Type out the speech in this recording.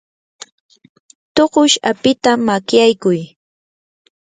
tuqush apita makyaykuy.